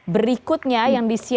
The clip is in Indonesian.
berikutnya yang disini